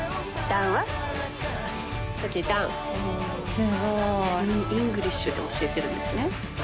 ダウンイングリッシュで教えてるんですね